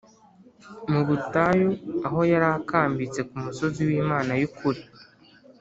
mu butayu aho yari akambitse ku musozi w Imana y ukuri